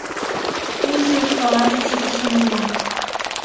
Ушыжо шкаланже ситышын уло.